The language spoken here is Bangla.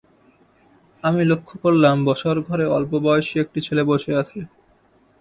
আমি লক্ষ করলাম, বসার ঘরে অল্প-বয়েসি একটি ছেলে বসে আছে।